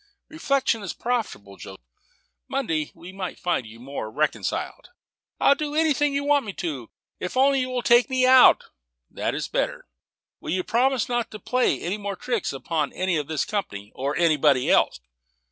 "Reflection is profitable, Joseph. Monday we might find you more reconciled." "I'll do anything you want me to, if you will only take me out." "That is better. Will you promise not to play any more tricks upon any of this company, or anybody else?"